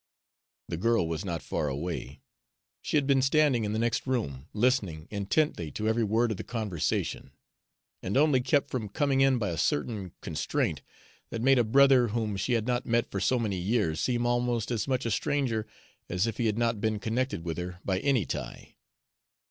The girl was not far away; she had been standing in the next room, listening intently to every word of the conversation, and only kept from coming in by a certain constraint that made a brother whom she had not met for so many years seem almost as much a stranger as if he had not been connected with her by any tie.